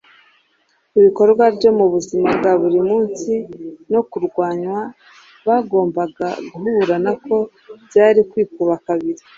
ibikorwa byo mu buzima bwa buri munsi no kurwanywa bagombaga guhura nako byari kwikuba kabiri.